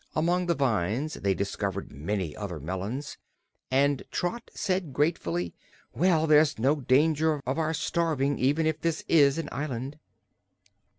Among the vines they discovered many other melons, and Trot said gratefully: "Well, there's no danger of our starving, even if this is an island."